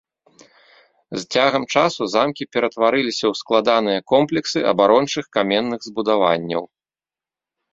З цягам часу замкі ператварыліся ў складаныя комплексы абарончых каменных збудаванняў.